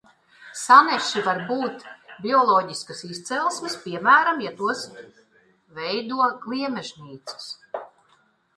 Saneši var arī būt bioloģiskas izcelsmes, piemēram, ja tos veido gliemežnīcas.